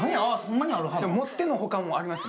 もってのほかもあります。